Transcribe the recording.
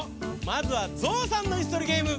まずはゾウさんのいすとりゲーム。